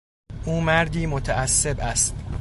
او مردی متعصب است.